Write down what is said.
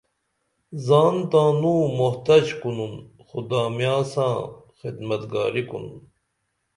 زان تانوں محتج کنُن خو دامیاں ساں خدمتگاری کنُن